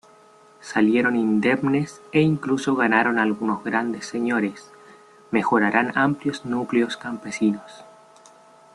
Salieron indemnes e incluso ganaron algunos grandes señores; mejoraran amplios núcleos campesinos.